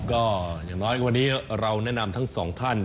ก็อย่างน้อยวันนี้เราแนะนำทั้งสองท่าน